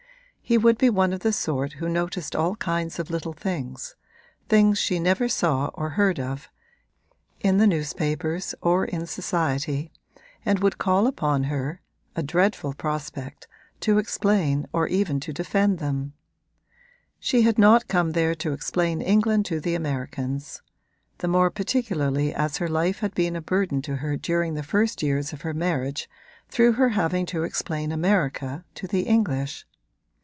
He would be one of the sort who noticed all kinds of little things things she never saw or heard of in the newspapers or in society, and would call upon her (a dreadful prospect) to explain or even to defend them. She had not come there to explain England to the Americans; the more particularly as her life had been a burden to her during the first years of her marriage through her having to explain America to the English.